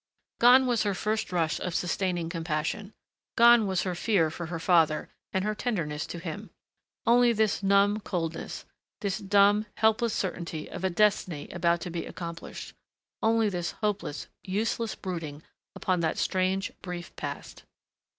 Gone was her first rush of sustaining compassion. Gone was her fear for her father and her tenderness to him. Only this numb coldness, this dumb, helpless certainty of a destiny about to be accomplished.... Only this hopeless, useless brooding upon that strange brief past.